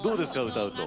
歌うと。